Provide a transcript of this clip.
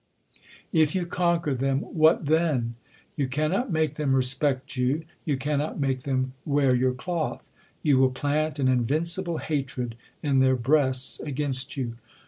If you conquer them, what then ? You cannot make them respect you ; you cannot make them wear your cloth. You will plant an invincible hatred in their breasts against you.